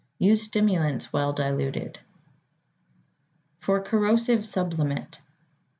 Use stimulants well diluted. =For Corrosive Sublimate.